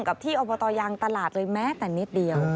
กับที่อบตยางตลาดเลยแม้แต่นิดเดียว